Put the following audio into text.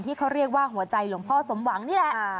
ที่เขาเรียกว่าหัวใจหลวงพ่อสมหวังนี่แหละ